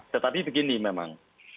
tetapi begini memang